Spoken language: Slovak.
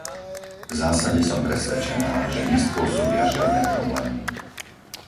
V zásade som presvedčená, že nespôsobia žiadne problémy.